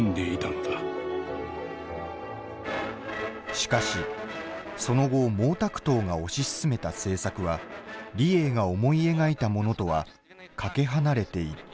しかしその後毛沢東が推し進めた政策は李鋭が思い描いたものとはかけ離れていった。